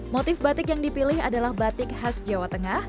motif batik yang dipilih adalah batik khas jawa tengah